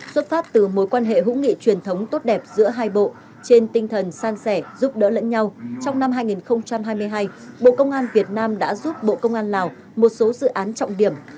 xuất phát từ mối quan hệ hữu nghị truyền thống tốt đẹp giữa hai bộ trên tinh thần san sẻ giúp đỡ lẫn nhau trong năm hai nghìn hai mươi hai bộ công an việt nam đã giúp bộ công an lào một số dự án trọng điểm